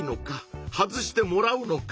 外してもらうのか？